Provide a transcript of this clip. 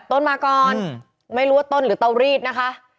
ต้นมาก่อนไม่รู้ว่าต้นหรือเตารีดนะคะ